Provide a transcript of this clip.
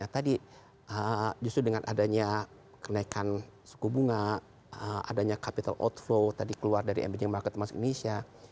tadi justru dengan adanya kenaikan suku bunga adanya capital outflow tadi keluar dari emerging market termasuk indonesia